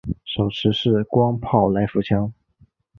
手持式光炮来福枪。